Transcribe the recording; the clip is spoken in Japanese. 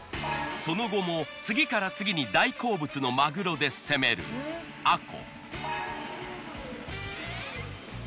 その後も次から次に大好物のまぐろで攻めるあこ。